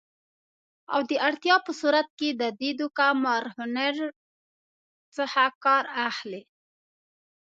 او د اړتیا په صورت کې د دې دوکه مار هنر څخه کار اخلي